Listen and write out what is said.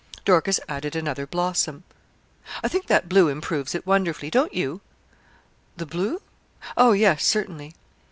Dorcas added another blossom. 'I think that blue improves it wonderfully. Don't you?' 'The blue? Oh yes, certainly.'